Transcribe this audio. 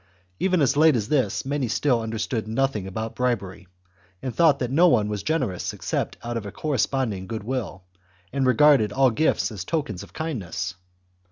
Even as late as this many still under stood nothing about bribery, and thought that no one was generous except out of a corresponding goodwill, and regarded all gifts as tokens of kindness.